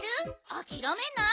あきらめない？